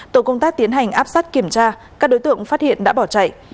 tổ công tác tiến hành áp sát kiểm tra các đối tượng phát hiện đã bỏ chạy